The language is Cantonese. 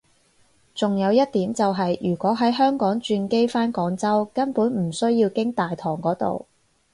仲有一點就係如果喺香港轉機返廣州根本唔需要經大堂嗰度